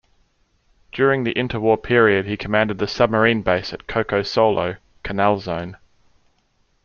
During the inter-war period, he commanded the Submarine Base at Coco Solo, Canal Zone.